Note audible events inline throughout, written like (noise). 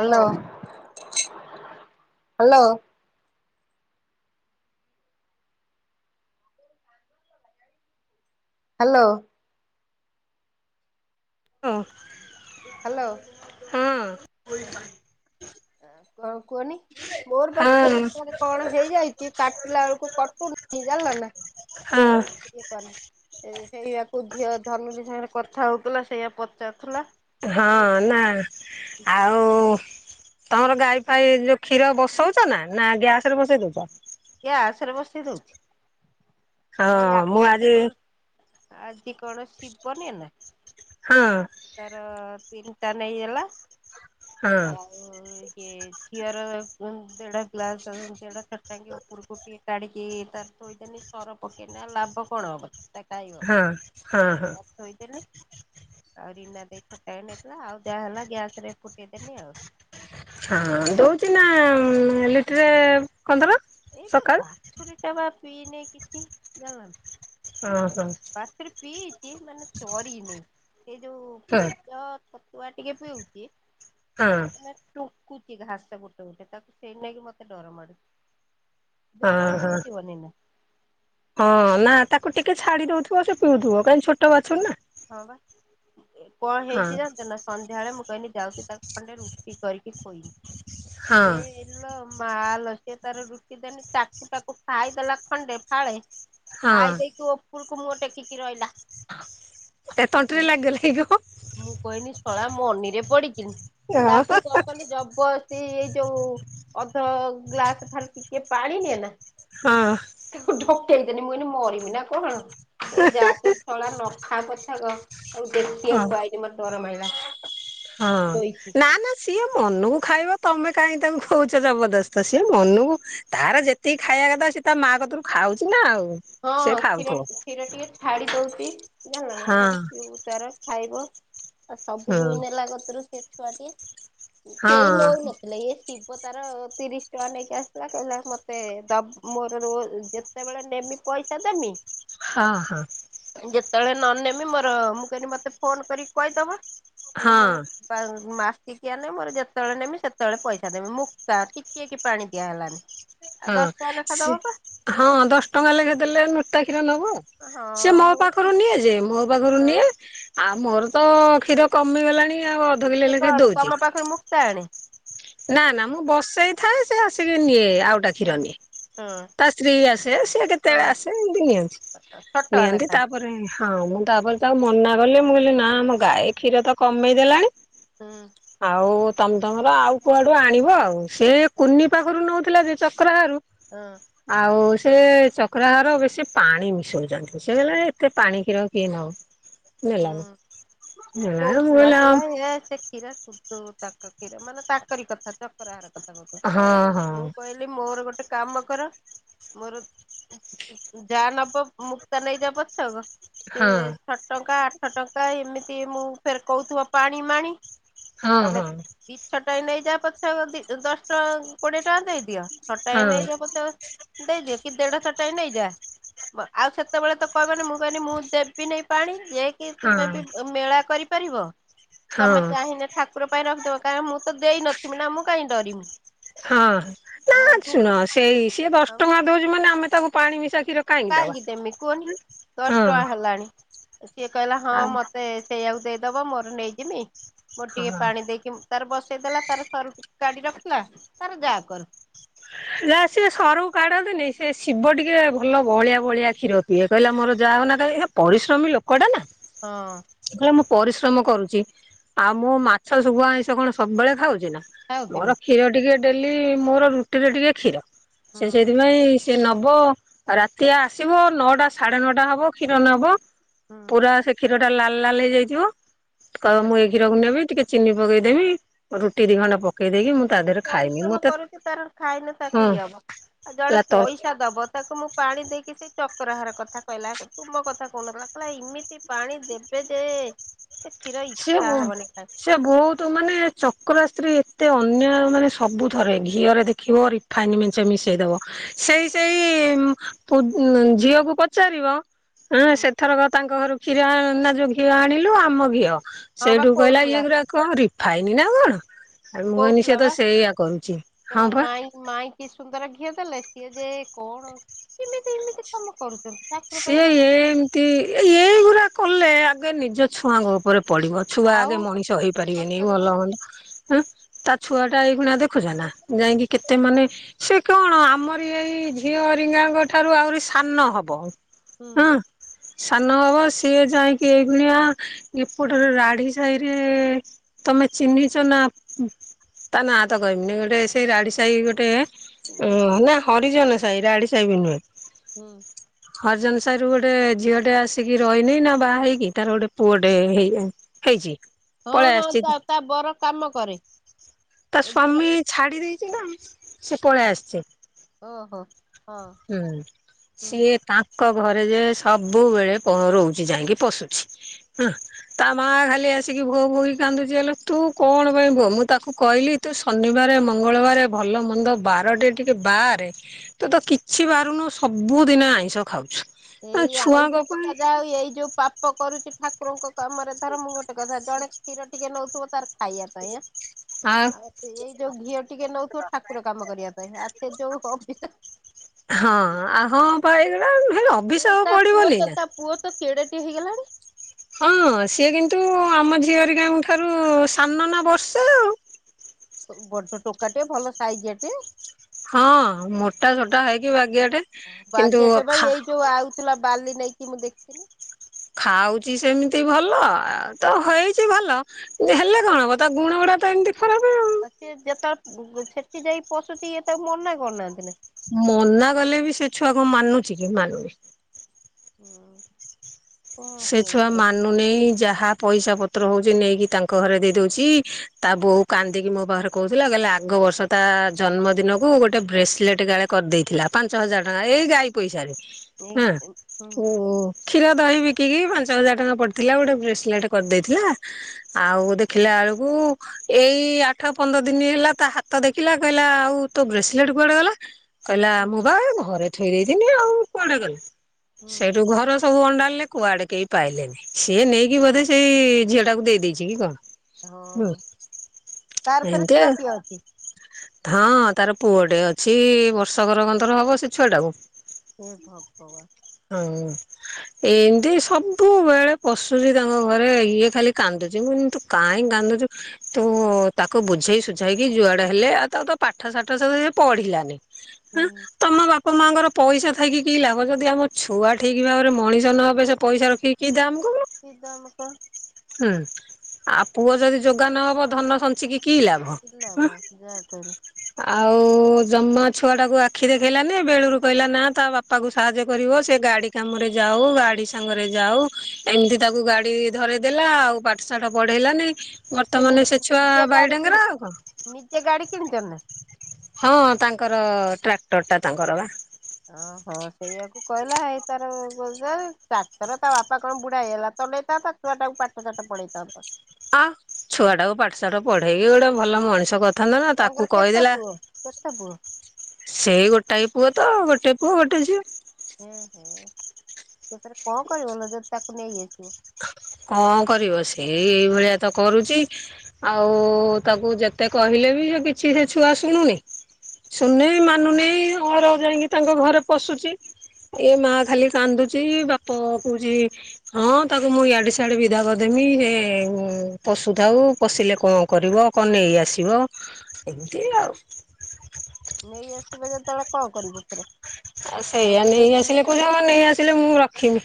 Hello hello. Hello. Hello ହଁ ହଁ। ଆ କଣ କୁହନି ମୋରବା ହଁ (unintelligible) କଣ ହେଇଯାଇଛି କାଟିଲା ବେଳକୁ କଟୁନି ଜାଣିଲାନା ହଁ ଫେରେ କନି। ସେ ସେଇଆକୁ ଝିଅ ଧନୁୁରୀ ସାଙ୍ଗରେ କଥା ହଉଥିଲା ସେଇଆ ପଚାରୁଥିଲା ହଁ ନା ଆଉ ତମର ଗାଈ ଫାଇ ଯୋଉ କ୍ଷୀର ବସଉଛନା ନା ଗ୍ୟାସରେ ବସେଇ ଦଉଚ? ଗ୍ୟାସରେ ବସେଇଦଉଚି ହଁ ଏଇ ମୁଁ ଆଜି କଣ ଆଜି କଣ ଶିବନିଅନା ହଁ ତାର ତିନିଟା ନେଇଗଲା ହଁ ଆଉ ଇଏ ଝିଅର ଦେଢ ଗ୍ଲାସ୍ ଦେଢ ଚଟାଙ୍ଗି ଉପରକୁ ଟିକେ କାଡ଼ି ଟିକିଏ ତାର ଥୋଇଦେଲି ସର ପକେଇଲେ ଆଉ ଲାଭ କଣ ହବସେଟା ଖାଇବ ହଁ ହଁ ହଁ ଥୋଇଦେଲି ଆଉ ରୀନା ଦେଇ ଛଟାଙ୍ଗେ ନେଇଥିଲା ଆଉ ଯାହା ହେଲା ଗ୍ୟାସରେ ଫୁଟେଇଦେନି ଆଉ‌ ହଁ ଦଉଚିନା ଲିଟେରେ କନ୍ତର? ଏଇପା ବାଛୁରୀଟାବା ପିଇନି କିଛି ଜାଣିଲନା। ହଁ ହଁ। ବାଛୁରୀ ପିଇଚି ମାନେ ଚରିନି ସେଯୋଉ ହଁ ପେଜ ଛ ତୁଆ ଟିକେ ପିଉଚି ହଁ (unintelligible) କୁଚି ଘାସ ଗୋଟେ ଗୋଟେ ତାକୁ ସେଇ ନାଗି ମୋତେ ଡର ମାଡ଼ୁଚି। ହଁ ଦୁର୍ବଳ ହଁ ହେଇଯିବନିନା। ହଁ ନା ତାକୁ ଟିକେ ଛାଡି ଦଉଥିବ ସେ ପିଉଥିବ କାଇଁ ଛୋଟ ବାଛରୀନା। ହଁ ବା। କଣ ହେଇଚି ଯାଣିଚନା ସନ୍ଧ୍ୟାବେଳେ ମୁଁ କହିଲି ଯାଉଚି ତାକୁ ଖଣ୍ଡେ ରୁଟି କରିକି ଖୋଇମି। ହଁ। ଇଲୋ ମାଲ ସେତାର ରୁଟି ଦେନି ଟାକୁ ଟାକୁ ଖାଇଦେଲା ଖଣ୍ଡେ ଫାଳେ। ହଁ ଖାଇଦେଇକି ଉପରୁକୁ ମୁଁହଁ ଟେକିକି ରହିଲା। ତା ମୁଁ ତଣ୍ଟରେ କହିଲି ଲାଗିଗଲା କି କଣ? ମୁଁ କଇନି ଶଳା ମନିରେ ପଡ଼ିକିନି ତାକୁ କ ଖାଲି ଜବରଦସ୍ତି ଏଇ ଯୋଉ ଅଧ ଗ୍ଲାସ୍ ଖାଲି ଟିକେ ପାଣି ନିଏନା ହଁ। ତାକୁ ଡକେଇଦନି ମୁଁକଇନି ମରିମିନା କଣ ମୁକଇନି ଯାତୁ ଶଳା ନଖାପ ତାକୁ ହଁ ଦେଖିଆକୁ ଆଇଲି ମତେ ଡର ମାଇଲା। ହଁ ଶୋଇଛି। ନାଁ ନାଁ ସିଏ ମନକୁ ଖାଇବ ତମେ କାହିଁ ତାଙ୍କୁ ଖୋଉଚ ଜବରଦସ୍ତ ସିଏ ମନକୁ ତାର ଯେ ତିକିକି ଖାଇବା କଥା ସେତା ମା କତରୁ ଖାଉଚିନା ଆଉ। ହଁ ସେ କ୍ଷୀର ଖାଉଥିବ କ୍ଷୀର ଟିକେ ଛାଡ଼ିଦଉଚି। ଜାଣିଲନା ହଁ ମୁକଇନି ପିଉତାର ଖାଇବ ଆଉ ସବୁ ହୁଁ ଦୁଇ ନେଲା କତରୁ ସେଛୁଆଟିଏ ହଁ କେହି ନଉନ ହେଲେ ଏ ଶିବ ତାର ତିରିଶି ଟଙ୍କା ନେଇକି ଆସିଲା କହିଲା ମତେ ଦ ମୋର ରୋ ଯେ ଯେତେବେଳେ ନେମି ପଇସା ଦେମି ହଁ ହଁ। ଯେତେବେଳେ ନନେମି ମୋର ମୁଁ କଇଲି ମତେ ଫୋନ୍ କରିକି କହିଦେବ କଇଲେ ମୋର ହଁ ମାସ୍ କିଆ ନେମି ମୋର ଯେତେବେଳେ ନେମି ସେତେବେଳେ ପଇସା ଦେମି ମୁକା ଟିକିଏକି ପାଣି ଦିଆ ହେଲାନି। ଆଉ ହଁ ଦଶଟାଙ୍କା ନେଖା ସେ ଦବାପା। ହଁ ଦଶ ଟଙ୍କା ଲେଖେଏ ଦେଲେ ନୋଟା କ୍ଷୀର ନବ। ହଁ ସିଏ ମୋ ମୁଁ ପାଖରୁ ନିଏ ଯେ ମୋ ପାଖରୁ- ହଁ ନିଏ। ଆଉ ମୋର ତ କ୍ଷୀର କମିଗଲାଣି ଆଉ ଅଧ କିଲୋ ଲଖା ଦଉଛି। (unintelligible) ମୁକ୍ତ ଆଣେ ନା ନା ମୁଁ ବସେଇ ଥାଏ ସେ ଆସିକି ନିଏ ଆଉଟା କି କ୍ଷୀର ହଁ ନିଏ। ହଁ ତା ସ୍ତ୍ରୀ ଆସେ ସିଏ କେତେବେଳେ ଆସେ ଏମତି ନିଅନ୍ତି ଛୋଟ ନିଅନ୍ତି ଲେଖା ତାପରେ ତାପରେ ହଁ, ମୁଁ ତାପରେ ତାକୁ ମନା କଲି ମୁଁ କହିଲି ନା ଆମ ଗାଈ କ୍ଷୀର ତ କମେଇ ଦେଲାଣି। ଆଉ ତମ ତମର ଆଉ କୁଆଡୁ ଆଣିବ ଆଉ, ସେ କୁନି ପାଖରୁ ନଉଥିଲା ଯେ ଚକ୍ରହାରାରୁ। ହଁ। ଆଉ ସେ ଚକ୍ରହାର ବେଶୀ ପାଣି ମିଶଉଛନ୍ତି। ସେ କହିଲା ଏତେ ପାଣି କ୍ଷୀର କିଏ ନବ କହୁଥିଲା କହିଲା ସେ (unintelligible) (unintelligible) କ୍ଷୀର ସୁଧୁ ତା କ୍ଷୀର ମାନେ ତାକରି କଥା ଚକରହାର କଥା। କ ହଁ ମୁଁ କହିଲି ମୋର ଗୋଟେ କାମ କର। ମୋର ଯା ନବ ମୁକ୍ତା ନେଇ ଯା ପଛକ ସେ ହଁ ଛଅ ଟଙ୍କା, ଆଠ ଟଙ୍କା ଏମିତି ମୁଁ ଫେର କହୁଥିବ ପାଣି ମାଣି ହଁ ତମେ ହଁ। ଦି ଛଟାଙ୍କେ ନେଇଯା ପଛ ଦଶ ଟଙ୍କା କୋଡିଏ ଟଙ୍କା ଦେଇଦିଅ। ଛଟାଙ୍ଗେ ହଁ ନେଇଯା (unintelligible) ଦେଇଦିଅ କି ଦେଢ଼ ଛଅଟାଙ୍କେ ନେଇଯା ବ ଆଉ ସେତେବେଳେ ତ କହିବନି ମୁଁ କହିଲି ମୁଁ ଦେବିନି ପାଣି ଯେକି ହଁ ତୁମେ ବି ମେଳା କରିପାରିବ ହଁ ତମେ ହଁ ଚାହିଁନେ ଠାକୁର ପାଇଁ ରଖଦବ କାରଣ ମୁଁ ତ ଦେଇ ନଥିବ ନା ମୁଁ କାଇଁ ଡରିମି। ହଁ, ନା ଆମ ଦୁ ଶୁଣ ସେଇ ସିଏ ଦଶ ଟଙ୍କା ଦଉଛି ମାନେ ଆମେ ତାକୁ ପାଣି ମିଶା କ୍ଷୀର କାହିଁକି ଦେବି କୁହନି ଦଶ ହଁ ଟଙ୍କା ହେଲାଣି। ସିଏ କହିଲା ହଁ, ଆଉ ମତେ ସେଇଆକୁ ଦେଇଦବ ମୋର ନେଇଯିମି ମୋର ଟିକେ ହଁ ପାଣି ଦେଇକି ତାର ବସେଇ ଦେଲା ତାର ସର ଟିକେ ଗାଡି ରଖିଲା ତାର ଯାହା କରୁ। ଯା ସିଏ ସରକୁ କାଢନ୍ତିନି ସେ ଶିବ ଟିକେ ଭଲ ଭଳିଆ ଭଳିଆ କ୍ଷୀର ଇଏ କହିଲା ମୋର ଯାହା ହଉ ନା କାହିଁକି ପରିଶ୍ରମୀ ଲୋକଟା ନା ହଁ। ସେ କହିଲା ମୁଁ ପରିଶ୍ରମ କରୁଛି ଆଉ ମୁଁ ମାଛ ଶୁଗୁଆ ଆଇଁଷ କଣ ସବୁବେଳେ ଖାଉଛି ନା? ଖାଉଚି ନା ମୋର କ୍ଷୀର ଟିକେ ଡେଲି ମୋର ରୁଟିରେ ଟିକେ କ୍ଷୀର ହୁଁ ସେ ସେଥିପାଇଁ ସେ ନବ ରାତି ଆସିବ ନଅଟା ସାଢେ ନଅଟା ହବ କ୍ଷୀର ନବ। ପୁରା ସେ କ୍ଷୀର ଟା ଲାଲ ଲାଲ ହେଇ ଯାଇଥିବ କହିବ ମୁଁ ଏଇ ହୁଁ କ୍ଷୀରକୁ ନେବି ଟିକେ ଚିନି ପକେଇଦବି ରୁଟି ଦି ଖଣ୍ଡା ପକ ଆଛା ପରିଶ୍ରମ କରୁଛି ତାର ଖାଇନ ହଁ ତାକୁ ଇଏ ହବ ଆଉ ଜଣେ ହେଲା ତର ପଇସା ଦବ ତାକୁ ମୁଁ ପାଣି ଦେଇକି ସେଇ ଚକ୍ରହାର କଥା କହିଲା ତୁ ମୋ କଥା କହୁନଥିଲା କହିଲା ଇମିତି ପାଣି ଦେବେ ଯେ ସେ କ୍ଷୀର ସିଏ ଇଚ୍ଛା ବୋ ହବନି କାଇଁ ସେ ବହୁତ ମାନେ ଚକ୍ର ସ୍ତ୍ରୀ ଏତେ ଅନ୍ୟ ମାନେ ସ ସବୁ ଥରେ ଘିଅରେ ଦେଖିବ ରିଫାଇନ ମେ ଛ ମିଶେଇ ଦବ ସେଇ ସେଇ ପୁ ଝିଅକୁ ପଚାରିବ ହଁ ହୁଁ ସେଥରକ ତାଙ୍କ ଘରୁ କ୍ଷୀର ନା ଯୋଉ ଘିଅ ଆଣିଲୁ ଆମ ଘିଅ। ହଁ ବା ସେଇଠୁ କହିଲା ଇଏ କହୁଥିଲା ଗୁରା କଣ ରିଫାଇନ ନା କଣ? ଆ ମୁଁ କନିି କହୁଥିଲା ସେତ ସେଇଆ କରୁଛି ହଁ ବା। ମାଇ କିି ସୁନ୍ଦର ଘିଅ ଦେଲେ ସିଏ ଯେ କଣ କେମିତି ଏମିତି କାମ କରୁ ସିଏ ଏମତି ଏଇଗୁଡା କଲେ ଆଗେ ନିଜ ଛୁଆଙ୍କ ଉପରେ ପଡିବ। ଛୁଆ ଆଉ ଆଗେ ମଣିଷ ହେଇପାରିବେନି ସତରେ ବା ଭଲ ହଁ ତା ଛୁଆ ଟା ଏଇଗୁଣା ଦେଖୁଛ ନା ଯାଇକି କେତେ ମାନେ ସେ କଣ ଆମର ଏଇ ଝିଅ ଏରିଙ୍ଗାଙ୍କ ଠାରୁ ଆହୁରି ସାନ ହବ। ହୁଁ ହଁ ସାନ ହବ ସିଏ ଯାଇକି ଏଇ ଗଣିଆ ଏପଟରେ ରାଢି ସାହିରେ ତମେ ଚିହ୍ନିଚା ନା ତା ନା ତ କହିବିନି। ଗୋଟେ ସେଇ ରାଢି ସାହି ଗୋଟେ ଲୋକ ନା ହରିଜନ ସାହି ରାଢି ସାହି ବି ନୁହେଁ। ହୁଁ। ହରିଜନ ସାହି ରୁ ଗୋଟେ ଝିଅ ଟେ ଆସିକି ରହିନି ନା ବାହା ହେଇକି ତାର ଗୋଟେ ପୁଅ ଟେ ହେଇ ହେଇଚି। ହଁ ହଁ ତା ତା ବର କାମ କରେ। ତା ଏ ଗୋରା ସ୍ଵାମୀ ଛାଡି ଦେଇଚି ନା ସେ ପଳେଇ ଆସିଚି? ଓହୋ। ହଁ ହୁଁ। ହୁଁ। ସିଏ ତା ଙ୍କ ଘରେ ଯେ ସବୁବେଳେ ପହଁରଉଚି ଯାଇକି ପଶୁଚି। ଆଁ ତା ମା ଖାଲି ଆସିକି ଭୋ ଭୋ ହେଇକି କାନ୍ଦୁଚି। ଆଲୋ ତୁ କଣ ପାଇଁ ଭୋ, ମୁଁ ତାକୁ କହିଲି ତୁ ଶନିବାରେ ମଙ୍ଗଳବାରେ ଭଲ ମନ୍ଦ ବାରଟେ ଟିକେ ବାରେ। ତୁ ତ କି କିଛି ବାରୁନୁ ସବୁଦିନେ ଆଇଁଷ ଖାଉଚୁ। ଏଇ ଆଇଁଷ କଥା ଯାହା ଏଇ ଯୋଉ ପାପ କରୁଚି ଠା କୁରଙ୍କ କାମରେ ଧର ମୁଁ ଗୋଟେ କଥା ଜଣେ କ୍ଷୀର ଟିକେ ନଉଥିବ ତାର ଖାଇବା ପାଇଁଁ ଆଁ। ଆଉ ଏଇ ଯୋଉ ଘିଅ ଟିକେ ନଉଥିବ ଠାକୁର କାମ କରିବା ପାଇଁ। ଆଉ ସେ ଯୋଉ ଅଭିଶାପ୍ ହଁ ଆ ହଁ ପା ଏଇଗୁଡା ହେଲେ ଏଇ ଅଭିଶାପ ତା ପୁଅ ପଡିବନି ତ ନା। ତା ପୁଅ ତ କେଡେଟେ ହେଇଗଲାଣି। ହଁ। ସିଏ କିନ୍ତୁ ଆମ ଝିଅ ହେରିକାଙ୍କ ଠାରୁ ସାନ ନା ବର୍ଷେ ଆଉ। ବଡ଼ ଟୋକା ଟେ ଭଲ ସାଇଜିଆ ଟେ। ହଁ ମୋଟା ସୋଟା ହେଇକି ବାଗିଆଟେ। କିନ୍ତୁ ବାଗିଆଟେ ବା ଖା ଏଇ ଯୋଉ ଆଉଥୁଲା ବାଲି ନେଇକି ମୁଁ ଦେଖିଥିନି। ଖାଉଚି ସେମିତି ଭଲ ତ ହେଇଚି ଭଲ। ଯେ ହେଲେ କଣ ହବ ତା ଗୁଣ ଗୁଡା ତ ଏମିତି ଖରାପ ଆଉ। ସିଏ ଯେତେବେଳେ ସେଠି ଯାଇ ପଶୁଚି ଇଏ ତାକୁ ମନା କରୁନାହାନ୍ତି ନା? ମନା କଲେ ବି ସେ ଛୁଆ କଣ ମାନୁଚି କି ମାନୁନି। (unintelligible) କଣ ସେ ଛୁଆ କହିବୁ କ ମାନୁନେଇ। ଯାହା ପଇସା ପତ୍ର ହଉଚି ନେଇକି ତାଙ୍କ ଘରେ ଦେଇ ଦଉଚି। ତା ବୋଉ କାନ୍ଦିକି ମୋ ପାଖରେ କହୁଥିଲା। କହିଲା ଆଗ ବର୍ଷ ତା ଜନ୍ମଦିନକୁ ଗୋଟେ ବ୍ରେସଲେଟ୍ କାଳେ କରିଦେଇଥିଲା ପାଞ୍ଚ ହଜାର ଟଙ୍କାରେ। ଏଇ ଗାଈ ପଇସାରେ। ଏଇ ଆଁ। ହୁଁ ହୁଁ ଓ କ୍ଷୀର ଦହି ବି ବିକିକି ପାଞ୍ଚ ହଜାର ଟଙ୍କା ପଡ଼ିଥିଲା ଗୋଟେ ବ୍ରେସଲେଟ୍ କରିଦେଇଥିଲା। ଆଉ ଦେଖିଲା ବେଳକୁ ଏଇ ଆଠ ପନ୍ଦର ଦିନି ହେଲା ତା ହାତ ଦେଖିଲା କହିଲା ଆଉ ତୋ ବ୍ରେସଲେଟ୍ କୁଆଡେ ଗଲା। କହିଲା ମୁଁ ବା ଘରେ ଥୋଇ ଦେଇଥିନି ଆଉ କୁଆଡେ ଗଲା। ହୁଁ ସେଇଠୁ ଘର ସବୁ ଅଣ୍ଡାଳିଲେ। କୁଆଡେ କେହି ପାଇଲେନି। ସିଏ ନେଇକି ବୋଧେ ସେଇ ଝିଅ ଟାକୁ ଦେଇ ଦେଇଚି କି କଣ। ହଁ। ହୁଁ ତାର ଫେରେ ଏମିତି ଛୁଆ ଆଉ ପିଲା ଅଛି? ହଁ ତାର ପୁଅ ଟେ ଅଛି। ବର୍ଷ କର କଣ ତର ହବ ସେ ଛୁଆ ଟାକୁ। ହେ ଭଗବାନ! (unintelligible) ଏନ୍ ତି ସବୁବେଳେ ପଶୁଚି ତାଙ୍କ ଘରେ, ଇଏ ଖାଲି କାନ୍ଦୁଚି। ମୁଁ କହିଲି ତୁ କାଇଁ କାନ୍ଦୁଚୁ। ତୁ ତାକୁ ବୁଝେଇ ସୁୁଝେଇକି ଯୁଆଡେ ହେଲେ ଆଉ ତାକୁ ତ ପାଠ ସାଠ ସବୁ ସେ ପଢିଲାନି। ହଁ। ତମ ବାପା ମାଙ୍କର ପଇସା ଥାଇକି କି ଲାଭ। ଯଦି ଆମ ଛୁଆ ଠିକ୍ ଭାବରେ ମଣିଷ ନହେବେ ସେ ପଇସା ରଖିକି କି ଦାମ୍ କହୁନୁ। କି ଦାମ୍ କଣ? ହୁଁ। ଆଉ ପୁଅ ଯଦି ଯୋଗା ନହବ ଧନ ସଞ୍ଚିକି କି ଲାଭ। (unintelligible) ଆଉ ଜମା ଛୁଆ ଟାକୁ ଆଖି ଦେଖେଇଲାନି ବେଳୁରୁ କହିଲା ନା ତା ବାପା କୁ ସାହାଯ୍ୟ କରିବ ସେ ଗାଡି କାମରେ ଯାଉ ଗାଡି ସାଙ୍ଗରେ ଯାଉ ଏମିତି ତାକୁ ଗାଡି ଧରେଇଦେଲା ଆଉ ପାଠ ସାଠ ପଢେଇଲାନି ନି ବର୍ତ୍ତମାନେ ସେ ଛୁଆ ନିଜେ ଗାଡି କିଣି ବାଇଡେଙ୍ଗେରା ଆଉ କଣ। ନିଜେ ଗାଡି କିଣିଚନି ନା? ହଁ ତାଙ୍କର ଟ୍ରାକ୍ଟର୍ ଟା ତାଙ୍କର ବା। ଓ ହୋ ସେଇଆକୁ କହିଲା ଏଇ ତାର (unintelligible) ଟାକ୍ଟର ତା ବାପା କଣ ବୁଢା ହେଇଗଲା ଚଲେଇଥାନ୍ତା ଛୁଆଟା କୁ ପାଠ ସାଠ ପଢେଇଥାନ୍ତା ଆଁ- ଛୁଆ ଟାକୁ ପାଠଶାଠ ପଢେଇକି ଗୋଟେ ଭଲ ମଣିଷ କରି ଥାନ୍ତା ନା ତାଙ୍କର ତାକୁ କେତେ କହିଦେଲା ପୁଅ କେତେ ପୁଅ ସେଇ ଗୋଟାଏ ପୁଅ ତ ଗୋଟେ ପୁଅ ଗୋଟେ ଝିଅ। ହଁ- ହଁ ସେ (unintelligible) କଣ କରିବ ଯଦି ତାକୁ ନେଇ ଯାଇଥିବ। କଣ କରିବ ସେ ଏଇ ଭଳିଆ ତ କରୁଚି। ଆଉ ତାକୁ ଯେତେ କହିଲେ ବି ସେ କିଛି ସେ ଛୁଆ ଶୁଣୁନି। ଶୁଣ୍ ନେଇ ମାନୁନି ଅହରହ ଯାଇଁକି ତାଙ୍କ ଘରେ ପଶୁଚି। ଏଇ ମା ଖାଲି କାନ୍ଦୁଚି ବାପ କହୁଚି ହଁ- ତାକୁ ମୁଁ ଇଆଡେ ସିଆଡେ ବିଦା କରିଦେମି ସେ ପଶୁଥାଉ ପଶିଲେ କଣ କରିବ। କଣ୍ ନେଇ ଆସିବ ଏମିତି ଆଉ। ନେଇ ଆସିବ ଯେତେବେଳେ କଣ୍ କରିବୁ ଫେରେ। ଆ ଏଇ ସେଇଆା ନେଇ ଯେମିତି ଆସିଲେ କହୁଚି ହଁ ନେଇ ଆସିଲେ ମୁଁ ରଖିବି।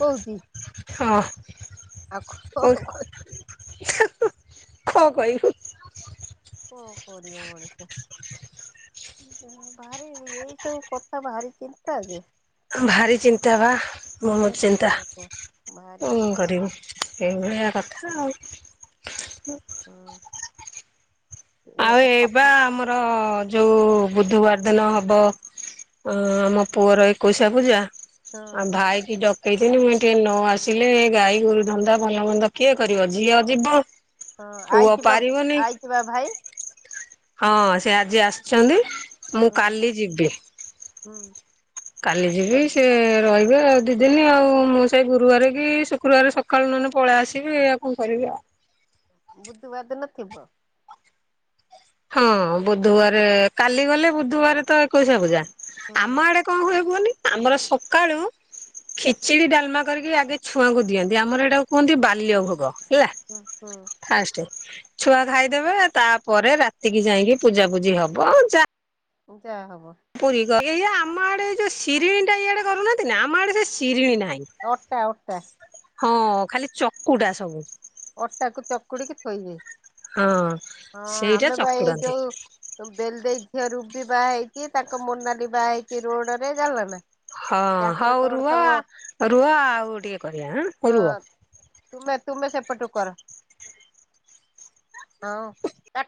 କହୁଛି ହଁ। ଆଉ କୋଉ କଁ କହିବୁ? କଁ କରିବ ମଣିଷ? ଭାରି ଏଇ ସବୁ କଥା ଭାରି ଚିନ୍ତା ଯେ। ଭାରି ଚିନ୍ତା ବା ଏ ବହୁତ୍ ଚିନ୍ତା କୁହନା କୁହ ଭାରି କଁ ଚିନ୍ତା କରିବି? ଏଭଳିଆ କଥା ଆଉ। ହୁଁ। ଏ ଆଉ ସ ଏଇବା ହଁ ଆମର ଯୋଉ ବୁଧୁବାର ଦିନ ହବ ଆଁ -ମୋ ପୁଅର ଏକୋଇଶିଆ ପୂଜା ଆଉ ଭାଇ କି ଡ କେଇକିନି ମୁଁ ଏ ଟିକେ ନ ଆସିଲେ ଗାଈ ଗୋରୁ ଧନ୍ଦା ଭଲ ମନ୍ଦ ଧନ୍ଦା କିଏ କରିବ? ଝିଅ ଯିବ ପୁଅ ପାରିବନି। ଶିବା ଭାଇ ହଁ ସେ ଆଜି ଆସିଚନ୍ତି ମୁଁ ହୁଁ କାଲି ଯିବି। ହୁଁ କାଲି ଯିବି ସେ ରହିବେ ଦି ଦିନ ଆଉ ମୁଁ ସେଇ ଗୁରୁବାର କି ଶୁକ୍ରବାର ସକା ସକାଳୁ ନହେଲେ ପଳେଇ ଆସିବି ଆଉ କଣ କରିବି ଆଉ। ବୁଧବାର୍ ଦିନ ଥିବ। ହଁ ବୁଧୁବାରେ କାଲି ଗଲେ ବୁଧବାରେ ତ ଏକୋଇଶିଆ ପୂଜା ହୁଁ ଆମ ଆଡେ କଣ ହୁଏ କୁହନି ଆମର ସକାଳୁ ଖେଚିଡି ଡାଲ୍ମା କରିକି ଆଗେ ଛୁଆଙ୍କୁ ଦିଅନ୍ତି ଆମର ଏଇଟାକୁ କୁହନ୍ତି ବାଲ୍ୟ ଭୋଗ ହେଲା। ହଁ- ହଁ। ଫାଷ୍ଟେ ହବ ଛୁଆ ଖାଇଦେବେ ତାପରେ ରାତିକି ଯାଇକି ପୂଜାପୁଜି ହବ ଅଁ- ଯା ଜା ହବ। ପୁରି କର- ଏଇ ଆମ ଆଡେ ଯଉ ସିରିଣି ଟା ଇଆଡେ କରୁନାହାନ୍ତି ନା ଆମ ଆଡେ ସେ ସିରିଣି ନାହିଁ। ଅଟା -ଅଟା। ହଁ ଖାଲି ଚକୁଟା ସବୁ। ଅଟାକୁ ଚକୁଡିକି ଥୋଇବେ ହଁ। ହଁ ସେଇଟା ଆମେ ବା ଏଇ ଚକୁଡନ୍ତି ଯଉ ବେଲ୍ ଦେଇ ଝିଅ ରୁବି ବା ହେଇଚି ତାଙ୍କ ମନାଲି ବା ହେଇଚି ରୋଡ ରେ ଜାଣ୍ ଲ ନା। ହଁ ତାଙ୍କର -ହଉ କଣ ରୁହ- ସବୁ ଆ-ରୁହ ଆଉ ଟିକେ କରିବା ଆଁ- ରୁହ। ହଁ ତୁମେ- ତୁମେ ସେପଟୁ କର। (inaudible)